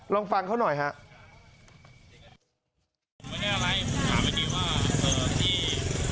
เขาเล่าบอกว่าเขากับเพื่อนเนี่ยที่เรียนปลูกแดงใช่ไหม